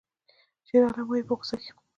شیرعالم وایی په غوسه کې